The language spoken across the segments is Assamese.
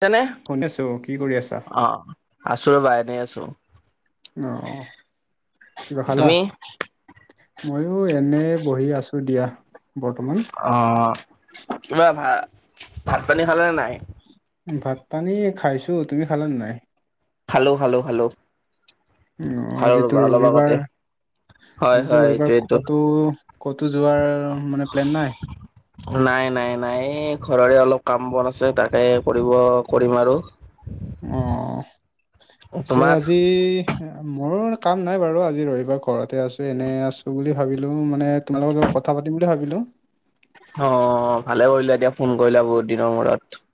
তেনে সুধিছো কি কৰি আছা? অ আছো ৰ'বা, এনেই আছো। অ, কিবা খালা? তুমি মইও এনে বহি আছো দিয়া বৰ্তমান। অ কিবা ভা ভাত-পানী খালানে নাই? ভাত-পানী খাইছো। তুমি খালা নে নাই? খালো খালো খালো, ওম খালো ৰ'বা আজিতো অলপ আগতে ৰবিবাৰ হয় আজিতো হয় এইটো ৰবিবাৰ এইটো কতো, ক'তো যোৱাৰ মানে প্লেন নাই? নাই, নাই, নাই। এ ঘৰৰে অলপ কাম-বন আছে। তাকে কৰিব কৰিম আৰু। অ, পিছে তোমাৰ আজি মৰো কাম নাই বাৰু। আজি ৰবিবাৰ ঘৰতে আছো, এনে আছো বুলি ভাবিলো মানে তোমালোকক [unintelligible] কথা পাতিম বুলি ভাবিলো। অ ভালে কৰিলা এতিয়া ফোন কৰিলা বহুত দিনৰ মূৰত।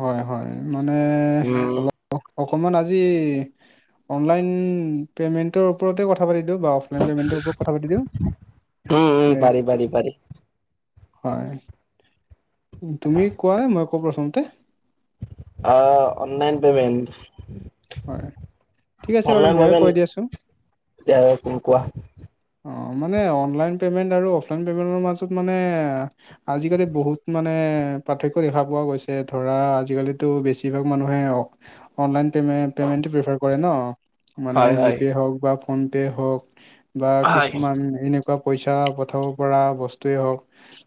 হয়, হয়, মানে উম অলপ। অ অকণমান আজি অনলাইন পে'মেণ্টৰ ওপৰতে কথা পাতি দিওঁ বা। পেমেট কথা পাতি দিওঁ। উম উম পাৰি পাৰি পাৰি হয়, তুমি কোৱা মই কও প্ৰথমতে। আ অনলাইন পেমেণ্ট, হয় ঠিক আছে বাৰু ময়ে কৈ দিয়ে আছোঁ, দিয়া কোন কোৱা, অ মানে অনলাইন পেমেন্ট আৰু অফলাইন পেমেন্টৰ মাজত মানে, আজিকালি বহুত মানে পাৰ্থক্য দেখা পোৱা গৈছে ধৰা আজিকালিতো বেছিভাগ মানুহে অ, অনলাইন পেমে পেমেণ্ট প্ৰিফাৰ কৰে ন, মানে হয় হয় জিপে হওক বা ফোন পে হওক বা হয় কিছুমান এনে, পইচা পঠাব পৰা বস্তুৱে হওক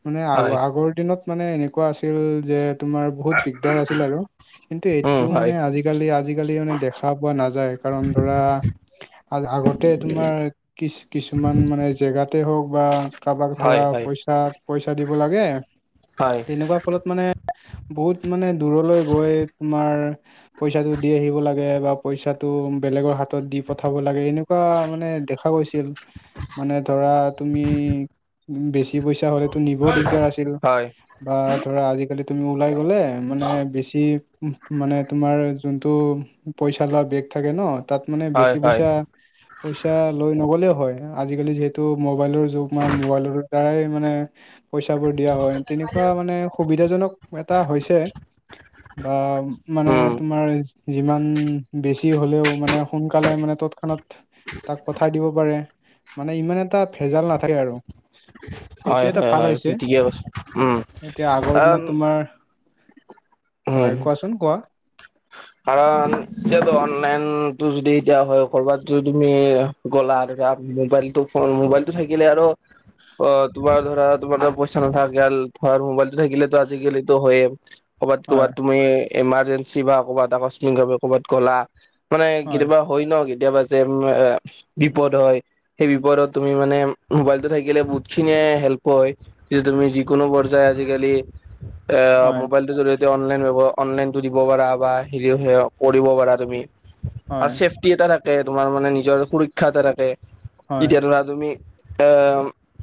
মানে আগ হয় আগৰ দিনত, মানে এনেকুৱা আছিল যে তোমাৰ বহুত দিগদাৰ আছিল আৰু কিন্তু উম এইটো হয় মানে আজি, কালি আজিকালি মানে দেখা পোৱা নাযায় কাৰণ ধৰা আ আগতে তোমাৰ, কিছ কিছুমান মানে জেগাতে হওক বা, কাৰোবাক হয় ধৰা হয় পইচা পইচা দিব লাগে হয় তেনেকুৱা ফলত মানে, বহুত মানে দূৰলৈ গৈ তোমাৰ পইচাটো দি আহিব লাগে বা, পইচাটো বেলেগৰ হাতত দি পঠাব লাগে এনেকুৱা মানে দেখা গৈছি, ছিল মানে ধৰা তুমি, উ বেছি পইচা হলেতো নিবৰ দিগদাৰ আছিল, হয় বা ধৰা আজিকালি তুমি ওলাই গ'লে মানে বেছি মানে তোমাৰ যোনটো, পইচা লোৱা বেগ থাকে ন, তাত মানে হয় বেছি হয় পইচা পইচা লৈ নগ'লেও হয় আজিকালি যিহে টো মোবাইলৰ যুগ বা মোবাইলৰ দ্বাৰাই মানে, পইচাবোৰ দিয়া হয়, তেনেকুৱা মানে সুবিধাজনক এটা হৈছে, বা মানে উম তোমাৰ যিমান বেছি হলেও মানে সোনকালে মানে তত ক্ষণত তাক পঠাই দিব পাৰে মানে ইমান এটা ভেজাল নাথাকে আৰু, হয় সেইটো এটা হয় ভাল হয় হৈছে ঠিকে কৈছে উম এতিয়া আগৰ কাৰণ দিনত তোমাৰ, হয় উম কোৱাচোন [inaudible] কাৰণ এতিয়াতো অনলাইনটো যদি এতিয়া হয় কৰ'বাত যদি তুমি, গ'লা আৰু মোবাইলটো ফোন মোবাইলটো থাকিলে আৰু, অ তোমাৰ ধৰা তোমাৰ ধৰা পইচা নাথাকে ধৰ মোবাইলটো থাকিলেতো আজিকালিতো হয়ে, ক'ৰবাত হয় ক'ৰবাত তুমি ইমাৰ্জেঞ্চি বা ক'ৰবাত আকস্মিকভাৱে কৰ'বাত গ'লা মানে কেতিয়াবা, হয় ন কেতিয়াবা যে এ বিপদ হয়। সেই বিপদত তুমি মানে মোবাইলটো থাকিলে বহুত খিনিয়ে হেল্প হয়। তুমি যিকোনো পৰ্যায় আজিকালি এ হয় মোবাইল, জৰিয়তে অনলাইন ব্যৱ অনলাইনটো দিব পাৰা বা হেৰিও সেৱক কৰিব পাৰা তুমি, আৰু হয় চেফটি এটা থাকে তোমাৰ মানে নিজৰ সুৰক্ষা এটা থাকে। হয় এতিয়া ধৰা তুমি, এ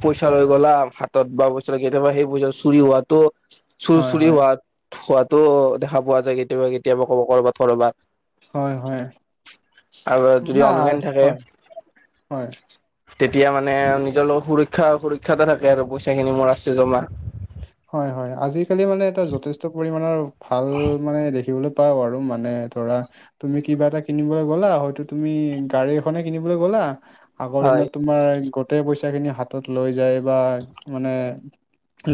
পইচা লৈ গ'লা হাতত বা পইচা কেতিয়াবা সেই পইচাটো চুৰি হোৱাতো, চুৰ হয় চুৰি হয় হোৱা হোৱাতো দেখা পোৱা যায় কেতিয়াবা কেতিয়াবা কব কৰ'বাত কৰবাত, হয় হয় আৰু যদি না অনলাইন থাকে হয় হয়, তেতিয়া মানে নিজৰ লগৰ সুৰক্ষা সুৰক্ষা এটা থাকে আৰু পইচা খিনি মোৰ আছে জমা। হয় হয় আজিকালি মানে এটা যথেষ্ট পৰিমাণৰ, ভাল মানে দেখিবলৈ পাওঁ আৰু মানে ধৰা, তুমি কিবা এটা কিনিবলৈ গ'লা হয়তো তুমি গাড়ী এখনে কিনিবলৈ গ'লা আগৰ হয় দিনত তোমাৰ গোটেই পইচা খিনি হাতত লৈ যায় বা মানে,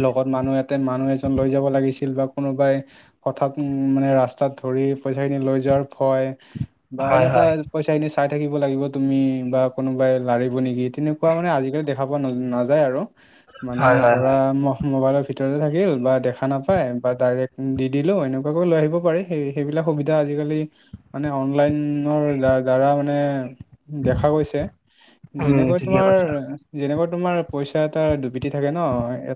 লগত মানুহ এট- তাতে মানুহ এজন লৈ যাব লাগিছিল বা কোনোবাই হঠাৎ উম মানে ৰাস্তাত ধৰি পইচাখিনি লৈ যোৱাৰ ভয়। বা হয় এনেকুৱা হয় পইচাখিনি চাই থাকিব লাগিব তুমি বা কোনোবাই লাৰিব নেকিত তেনেকুৱা মানে আজিকালি দেখা পোৱা না নাযায় আৰু মানে হয় হয় ধৰা হয় মহ মোবাইলৰ ভিতৰতে থাকিল বা দেখা নাপায় বা ডাইৰেক্ট দি দিলো এনেকুৱাকৈ লৈ আহিব পাৰি। সেই সেইবিলাক সুবিধা আজিকালি মানে অনলাইনৰ দা দ্বাৰা মানে দেখা গৈছে উম যেনেকৈ ঠিকে তোমাৰ কৈছা যেনেকুৱা তোমাৰ পইচা এটা দুৰ্বিতি থাকে ন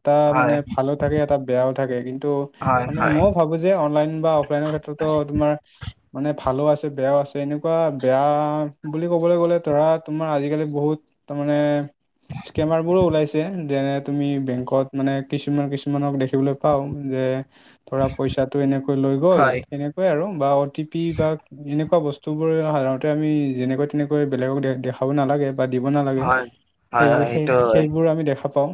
এটা মানে হয় ভালো থাকে এটা বেয়াও থাকে কিন্তু হয় মানে হয় মোক ভাবো যে অনলাইন বা অফলাইনৰ ক্ষেত্ৰতো তোমাৰ মানে ভালো আছে বেয়াও আছে এনেকুৱা বেয়া বুলি ক'বলৈ গ'লে ধৰা তোমাৰ আজিকালি বহুত তাৰ মানে স্কেমাৰ বোৰো ওলাইছে যেনে তুমি বেংকত মানে কিছুমান কিছুমানক দেখিবলৈ পাও যে, ধৰা পইচাটো এনেকৈ লৈ গ'ল হয় হয় তেনেকুৱাই আৰু বা অ টি পি বা এনেকুৱা বস্তু বোৰে সাধাৰণতে আমি যেনেকৈ তেনেকৈ বেলেগক দে দেখাব নালাগে। বা দিব নালাগে হয় সেইবো হয় সেই এইটো হয় সেইবোৰ আমি দেখা পাওঁ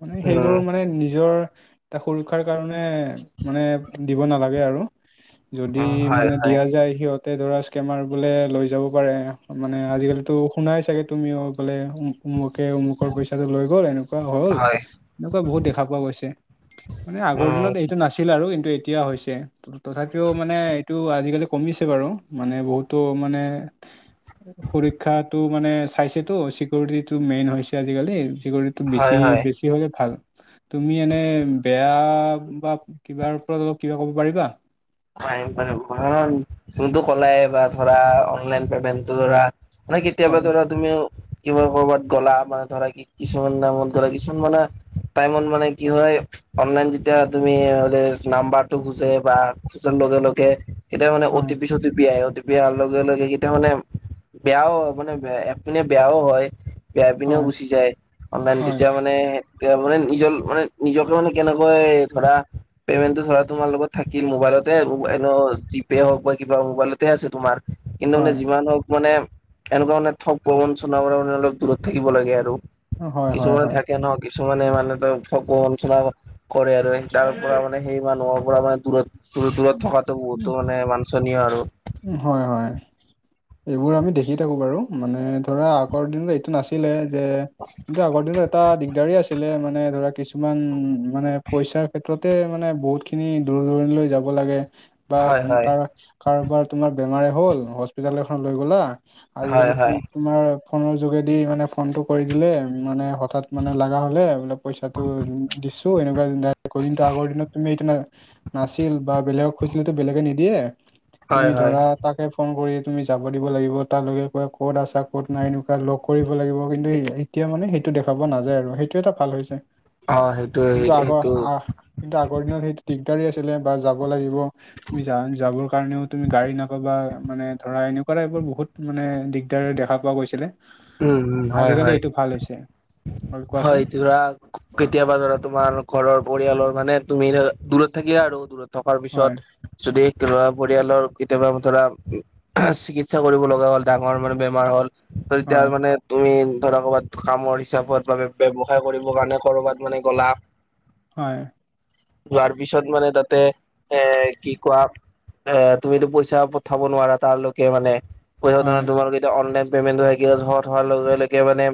মানে সেইবো- উম মানে নিজৰ এটা সুৰক্ষাৰ কাৰণে মানে দিব নালাগে আৰু। যদি হয় মানে হয় দিয়া যায় সিহঁত তাতে ধৰা স্কেমাৰ বোলে লৈ যাব পাৰে মানে আজিকালিতো শুনাই চাগৈ তুমিও বোলে মোকে আমুকৰ পইচাটো লৈ গ'ল এন- কোৱা হল হয় এনেকুৱা বহুত দেখা পোৱা গৈছে মানে আগৰ উম দিনত এইটো নাছ- হিল আৰু কিন্তু এতিয়া হৈছে। তথাপিও মানে এইটো আজিকালি কমিছে বাৰু মানে বহুতো মানে সুৰক্ষাতটো মানে চাইছেতো চিকিউৰিটিটো মেইন হৈছে আজিকালি চিকৰিট- হয় বেছি হয় বেছি হ'লেপ ভাল তুমি এনে বেয়া বা কিবাৰ ওপৰত অলপ কিবা ক'ব পাৰিবা? পাৰিম পাৰিম প্ৰথমে ফোনটো কলাই বা ধৰা অনলাইন পেমেন্টটো ধৰা মানে কেতিয়াবা হয় ধৰা তুমি কিবা কৰ'বাত গ'লা মানে ধৰা কি কিছুমান নামত গ'লে কিছুমান মানে টাইমত মানে কি হয় অনলাইন যেতিয়া তুমি হলে নাম্বাৰটো গুছে বা খোজন লগে লগে কেতিয়া মানে হয় অটি পি চটিপি আহে অ টিপি অহাৰ লগে লগে কেতিয়া মানে বেয়াও হ মানে একপিনে বেয়াও হয়। বিয়াই পিনেও হয় গুচি যায় অনলাইন হয় তেতিয়া মানে তেওঁ মানে নিজৰ মানে নিজকে মানে কেনেকৈ ধৰা পেমেণ্টটো ধৰা তোমাৰ লগত থাকিল মোবাইলতে এন জি পে হওক বা কিবা মোবাইলততে আছে তোমাৰ কিন্তু মানে হয়, যিমান হওক মানে এনেকুৱা মানে থগ প্ৰৱঞ্চনা মানে অলপ দূৰত থাকিব লাগে আৰু হয়, হয়, কিছুমানে হয়, থাকে ন কিছুমানে মানে ত ফকু অঞ্চনা কৰে আৰু তাৰ পৰা মানে সেই মানুহৰ পৰা মানে দূৰত, দূ দূৰত থকাতো বহুতো মানে বাঞ্চনিও আৰু। হয় হয় এইবোৰ আমি দেখি থাকোঁ বাৰু। মানে ধৰা আগৰ দিনত এইটো নাছিলে যে কিন্তু আগৰ দিনত টা দিগদাৰে আছিলে মানে ধৰা কিছুমান মানে পইচাৰ ক্ষেত্ৰতে মানে বহুত খিনি দূৰ দূৰণি লৈ যাব লাগে। বা হয় হয় কাৰ কাৰোবাৰ তোমাৰ বেমাৰে হ'ল হস্পিতাল এখন লৈ গলা হয় আজিকালিটো হয় তোমাৰ ফোনৰ যোগেদি মানে ফোনটো কৰি দিলে মানে হঠাৎ মানে লগা হ'লে অলপ পইচাটো দিছো এনেকুৱা [unintelligible] কিন্তু আগৰ দিনত তুমি এইটো নাই। নাছিল বা বেলেগক খুজিলেতো বেলেগে নিদিয়ে। হয় তুমি হয় ধৰা তাকে ফোন কৰি তুমি যাব দিব লাগিব। তাৰ লগে কয় ক'ত আছা ক'ত নাই এনেকুৱা লগ কৰিব লাগিব। কিন্তু এই এতিয়া মানে সেইটো দেখা পোৱা নাযায় আৰু সেইটো এটা ভাল হৈছে। অ সেইটোৱে, সে কিন্তু আগৰ সেইটো আ- কিন্তু আগৰ দিনত সেইটো দিগদাৰে আছিলে বা যাব লাগিব তুমি যা যাবৰ কাৰণেও তুমি গাড়ী নাপাবা মানে ধৰা এনেকুৱা টাইপৰ বহুত মানে দিগদাৰ দেখা পোৱা গৈছিলে। উম, উম হয়, আজিকালি হয়, এইটো ভাল হৈছে হয়। টোৰাগ কেতিয়াবা ধৰা তোমাৰ ঘৰৰ পৰিয়ালৰ মানে তুমি ধ দূৰত থাকিলা আৰু দূৰত থকাৰ হয় পিছত যদি কিবা পৰিয়ালৰ কেতিয়াবা ধৰা চিকিৎসা কৰিব লগা হ'ল, ডাঙৰ মানে বেমাৰ হ'ল হয় তেতিয়া মানে তুমি ধৰা কবাত কামৰ হিচাপত বাবে ব্যৱসায় কৰিবৰ কাৰণে কৰবাত মানে গ'লা। হয়। যোৱাৰ পিছত মানে তাতে এ কি কোৱা এ তুমিতো পইচা পঠাব নোৱাৰা তাৰলৈকে মানে। পইচা ধৰা হয় তোমাৰ যদি অনলাইন পেমেণ্ট থাকিলে ঘৰত হোৱাৰ লগে লৈকে মানে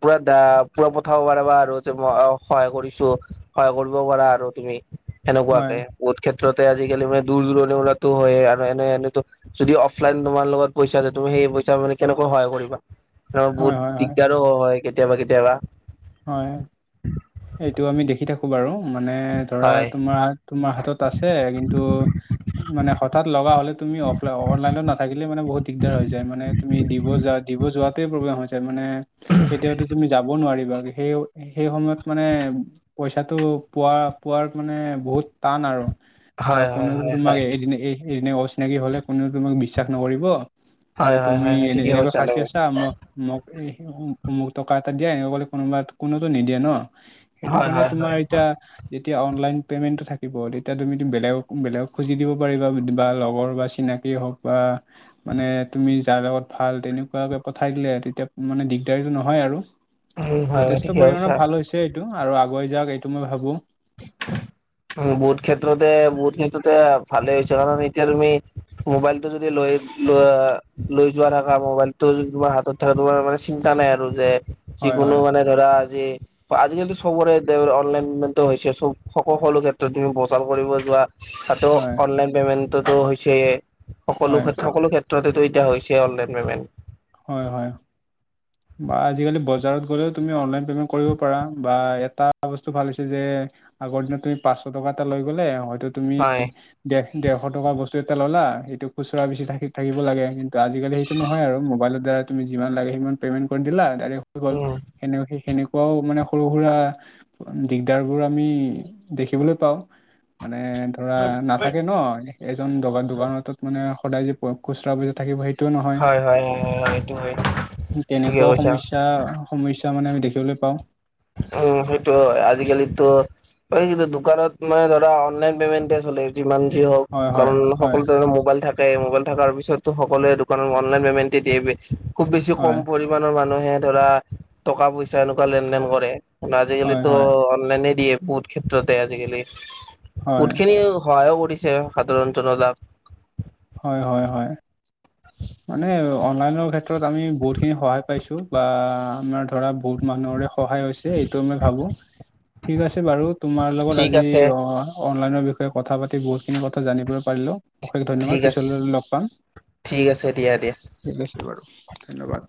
পুৰা দা পুৰা পঠাব পাৰা বা আৰু মই সহায় কৰিছো। সহায় কৰবও পাৰা আৰু তুমি হয় হয় সেনেকুৱাকে। বহুত ক্ষেত্ৰতে আজি-কালি মানে দূৰ দূৰণিৰ পৰাটো হয়ে আৰু এনে এনেটো যদি অফলাইন তোমাৰ লগত পইচা আছে তুমি সেই পইচা মানে কেনেকৈ সহায় কৰিবা? অ হয় বহুত হয় হয় দিগদাৰো হয় কেতিয়াবা কেতিয়াবা। হয়, এইটো আমি দেখি থাকো বাৰু। মানে ধৰা হয় তোমাৰ হাত তোমাৰ হাতত আছে কিন্তু মানে হঠাৎ লগা হ'লে তুমি অফলাই অনলাইনত নাথাকিলে মানে বহুত দিগদাৰ হৈ যায়। মানে তুমি দিব যা দিব যোৱাতে প্ৰব্লেম হৈ মানে কেতিয়াওটো তুমি যাব নোৱাৰিবা। সেই সেই সময়ত মানে পইচাটো পোৱা পোৱাৰ মানে বহুত টান আৰু। বা হয় হয় কোনেওটো হয় তোমাক হয় এদ এই এদিন অচিনাকি হলে কোনেও তোমাক বিশ্বাস নকৰিব। বোলে হয় হয় তুমি হয় হয় এনে ঠিকে এনেকুৱা কৈছা ফাছি তুমি আছা। ম মক এই মোক টকা এটা দিয়া এনেকে ক'লে কোনোবা কোনোটো নিদিয়ে ন? সেইটো হয় কাৰণে হয় তোমাৰ হয় ইটা যেতিয়া অনলাইন পেমেণ্টটো থাকিব তেতিয়া তুমিতো বেলেগক বেলেগক খুজি দিব পাৰিবা বা লগৰ বা চিনাকি হওক। বা মানে তুমি যাৰ লগত ভাল তেনেকুৱাকে পঠাই দিলে তেতিয়া মানে দিগদাৰীটো নহয় আৰু। উম হয় হয় যথেষ্ট ঠিকে পৰিমাণৰ কৈছা ভাল হৈছে এইটো আৰু আগুৱাই যাওক এইটো মই ভাবো। উম, বহুত ক্ষেত্ৰতে বহুত ক্ষেত্ৰতে ভালেই হৈছে। কাৰণ এতিয়া তুমি মোবাইলটো যদি লৈ ল লৈ যোৱা থাকা মোবাইলটো যদি তোমাৰ হাতত থাক তোমাৰ মানে চিন্তা নাই আৰু যে হয় যিকোনো হয় মানে ধৰা যি আজি-কালিতো চবৰে অনলাইনটো হৈছে। ছ সকল সকলো ক্ষেত্ৰত তুমি বজাৰ কৰিব যোৱা তাতো হয় অনলাইন পেমেন্টটোতো হৈছেয়ে। সকলো হয় সকলো ক্ষেত্ৰতেটো এতিয়া হৈছেই অনলাইন পেমেণ্ট। হয়, হয়। বা আজি-কালি বজাৰত গ'লেও তুমি অনলাইন পে'মেণ্ট কৰিব পাৰা বা এটা বস্তু ভাল হৈছে যে আগৰ দিনত তুমি পাঁচশ টকা এটা লৈ গ'লে হয়তো তুমি হয় ডে ডেৰশ টকা বস্তু এটা ল'লা। এইটো খুচুৰা বিচাৰি থ থাকিব লাগে। কিন্তু ত আজি-কালি সেইটো নহয় আৰু মোবাইলত ধৰা তুমি যিমান লাগে সিমান সুদা পেমেন্ট কৰি দিলা দাইৰেক হৈ গল। উম সেনে সেনে কুৱাও মানে সৰু-সুৰা দিগদাৰবোৰ আমি দেখিবলে পাওঁ। মানে ধৰা নাথাকে ন? এজন দোকান দোকানটোত মানে সদায় যে খুচৰা [unintelligible] থাকিব সেই হয় হয় এইটো হয়। ঠিকে তেনেকুৱাও কৈছা সমস্যা সমস্যা মানে আমি দেখিবলৈ পাওঁ। উম সেইটো হয়। আজি-কালিটো হয় কিন্তু দোকানত মানে ধৰা অনলাইন পেমেণ্টহে চলে। যিমান যি হওঁক হয় হয় কাৰণ হয় সকলো মোবাইল থাকে। মবাইল থকাৰ পিছতো সকলোৱে দোকান অনলাইন পেমেণ্টে দিয়ে, খুব বেছি কম হয় পৰি- মানৰ মানুহে ধৰা টকা পইচা এনেকুৱা লেন দেন কৰে হয় আজিকালিত- হয় অনলাইনে দিয়ে বহুত ক্ষেত্ৰতে আজিকালি, হয় বহুত খিনি সহায় কৰিছে। সাধাৰণ জনতাক- হয় হয় হয়। মানে অনলাইনৰ ক্ষেত্ৰত আমি বহুতখিনি সহায় পাইছো, বা আমাৰ ধৰা বহুত মানুহৰে সহায় হৈছে। এইটো মই ভাবো ঠিক আছে বাৰু তোমাৰ লগত ঠিক আজি আছে অনলাইনৰ বিষয়ে কথা পাতি বহুতখিনি কথা জানিব পাৰিলোঁ। অশেষ ধন্যবাদ ঠিক আছে পিছলৈ লগ পাম। ঠিক আছে দিয়া দিয়া ঠিক আছে বাৰু ধন্যবাদ।